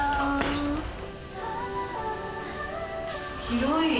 広い！